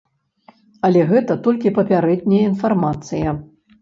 Але гэта толькі папярэдняя інфармацыя.